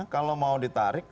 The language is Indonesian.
kalau mau ditarik